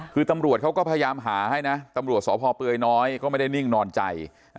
คือตำรวจเขาก็พยายามหาให้นะตำรวจสพเปลือยน้อยก็ไม่ได้นิ่งนอนใจ